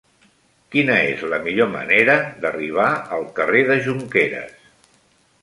Quina és la millor manera d'arribar al carrer de Jonqueres?